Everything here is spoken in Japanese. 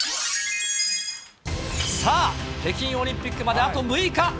さあ、北京オリンピックまであと６日。